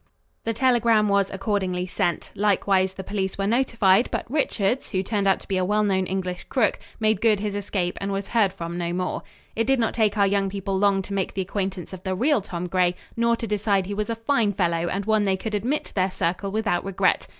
The telegram was accordingly sent. Likewise the police were notified, but Richards, who turned out to be a well known English crook, made good his escape and was heard from no more. It did not take our young people long to make the acquaintance of the real Tom Gray, nor to decide he was a fine fellow and one they could admit to their circle without regret.